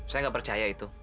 saya nggak percaya itu